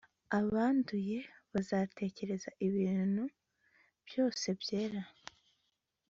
abanduye bazatekereza ibintu byose byera